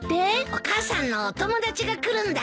お母さんのお友達が来るんだから。